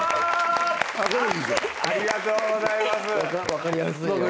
分かりやすいね。